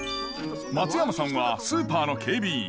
松山さんはスーパーの警備員。